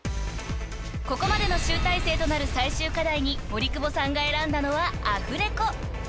［ここまでの集大成となる最終課題に森久保さんが選んだのはアフレコ］